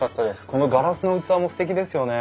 このガラスの器もすてきですよね。